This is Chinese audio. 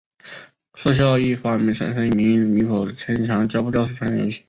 设校亦发表声明否认强迫教师参加游行。